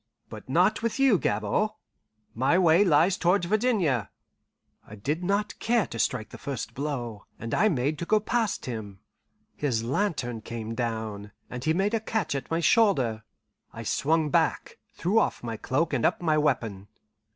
"But not with you, Gabord. My way lies towards Virginia." I did not care to strike the first blow, and I made to go past him. His lantern came down, and he made a catch at my shoulder. I swung back, threw off my cloak and up my weapon.